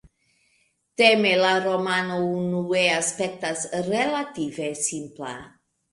Teme, la romano unue aspektas relative simpla.